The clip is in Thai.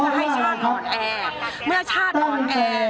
เพราะว่าเมื่อชาติอ่อนแอ